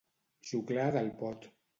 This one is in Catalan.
Xuclar del pot.